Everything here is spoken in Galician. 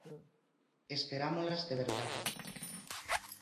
Esperámolas de verdade.